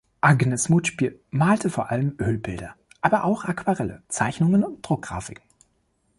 Agnes Muthspiel malte vor allem Ölbilder, aber auch Aquarelle, Zeichnungen und Druckgrafiken.